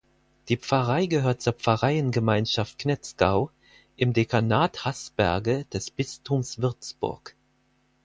Die Pfarrei gehört zur Pfarreiengemeinschaft Knetzgau im Dekanat Haßberge des Bistums Würzburg.